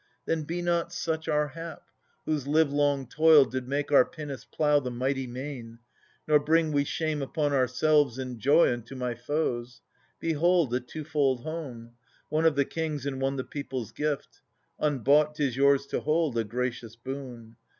Then be not such our hap, whose livelong toil Did make our pinnace plough the mighty main : Nor bring we shame upon ourselves, and joy Unto my foes, g ehold, a twofold home — One of the king's and one the people's gift — Unbought, 'tis yours to hold, — a gracious boon.